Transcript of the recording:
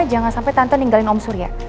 jangan sampai tante ninggalin om surya